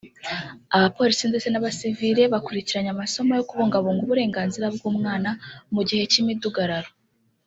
abapolisi ndetse n’abasivili bakurikiranye amasomo yo kubungabunga uburenganzira bw’umwana mu gihe cy’imidugararo